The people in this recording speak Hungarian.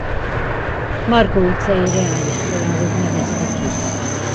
Markó utcai reáliskolához nevezte ki.